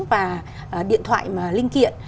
và điện thoại linh kiện